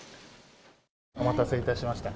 お待たせ致しました。